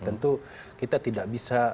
tentu kita tidak bisa